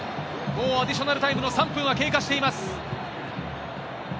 もうアディショナルタイムの３分は経過しています。